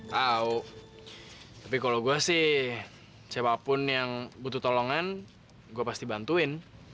tahu tapi kalau gue sih siapapun yang butuh tolongan gue pasti bantuin